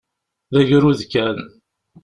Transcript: D agrud kan.